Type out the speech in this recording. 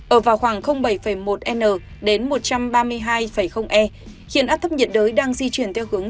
ở vào khoảng bảy một n đến một trăm ba mươi hai e hiện áp thấp nhiệt đới đang di chuyển theo hướng